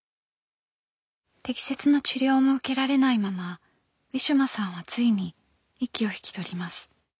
適切な治療も受けられないままウィシュマさんはついに息を引き取ります。